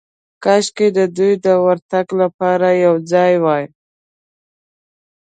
کاشکې د دوی د ورتګ لپاره یو ځای وای.